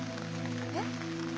えっ？